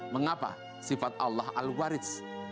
mengapa sifat allah al waris